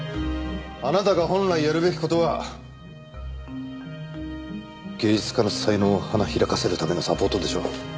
あなたが本来やるべき事は芸術家の才能を花開かせるためのサポートでしょ？